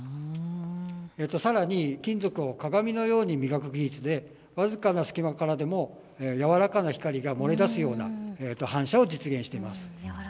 さらに金属を鏡のように磨く技術で僅かな隙間からでも柔らかな光が漏れ出すような反射を実現しました。